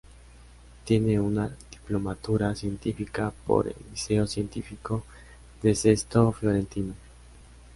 Tiene una diplomatura científica por el Liceo científico de Sesto Fiorentino.